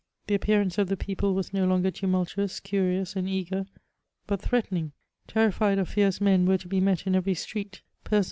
The appearance of the people was na longer tumultuous, curious, and eager'; but'threateriijfig. Terrified or fierce men were to be met in every street, person?